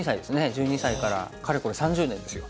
１２歳からかれこれ３０年ですよ。